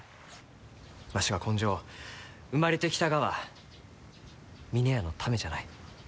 わしは今生、生まれてきたがは峰屋のためじゃない。